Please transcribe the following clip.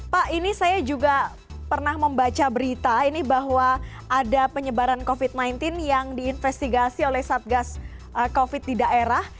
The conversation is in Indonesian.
pak ini saya juga pernah membaca berita ini bahwa ada penyebaran covid sembilan belas yang diinvestigasi oleh satgas covid di daerah